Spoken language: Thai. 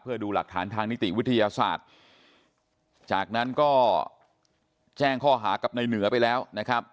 เพื่อดูหลักฐานทางนิติวิทยาศาสตร์จากนั้นก็แจ้งข้อหากับในเหนือไปแล้วนะครับ